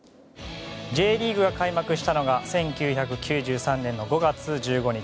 Ｊリーグが開幕したのが１９９３年の５月１５日。